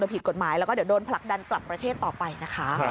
ผิดกฎหมายแล้วก็เดี๋ยวโดนผลักดันกลับประเทศต่อไปนะคะ